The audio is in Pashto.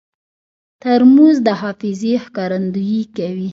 ترموز د حافظې ښکارندویي کوي.